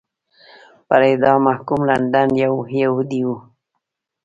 پر اعدام محکوم لندن یو یهودی و.